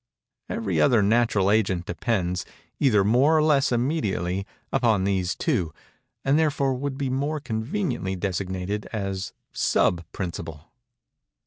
Every other Natural agent depends, either more or less immediately, upon these two, and therefore would be more conveniently designated as sub principle.